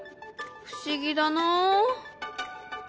不思議だな。